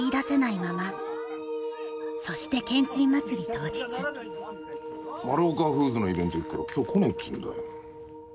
そしてマルオカフーズのイベント行くから今日来ねえっつうんだよ。